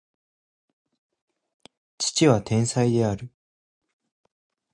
父は天才である